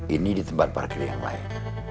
ini di tempat parkir yang lain